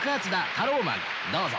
タローマン」どうぞ。